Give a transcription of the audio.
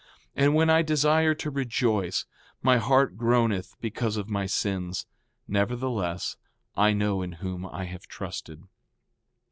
4:19 And when I desire to rejoice, my heart groaneth because of my sins; nevertheless, I know in whom I have trusted.